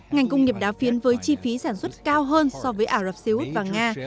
ngành công nghiệp đá phiến với chi phí sản xuất cao hơn so với ả rập xê út và nga